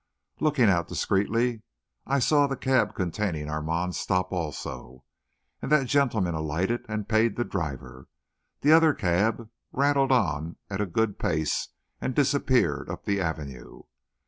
Looking out discreetly, I saw the cab containing Armand stop also, and that gentleman alighted and paid the driver. The other cab rattled on at a good pace and disappeared up the Avenue.